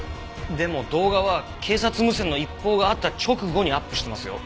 でも動画は警察無線の一報があった直後にアップしてますよ？